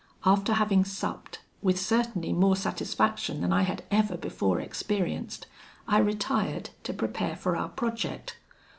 "After having supped, with certainly more satisfaction than I had ever before experienced, I retired to prepare for our project.